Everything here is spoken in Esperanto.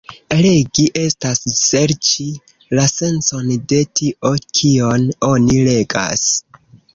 Legi estas serĉi la sencon de tio kion oni legas.